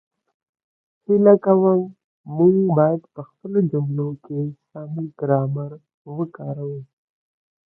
هیله کووم، موږ باید په خپلو جملو کې سم ګرامر وکاروو